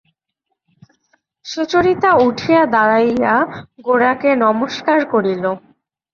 সুচরিতা উঠিয়া দাঁড়াইয়া গোরাকে নমস্কার করিল।